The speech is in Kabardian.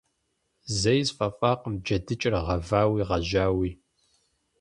Зэи сфӏэфӏакъым джэдыкӏэр гъэвауи гъэжьауи.